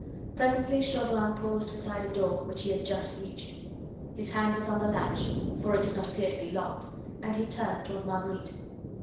Presently Chauvelin paused beside a door, which he had just reached. His hand was on the latch, for it did not appear to be locked, and he turned toward Marguerite.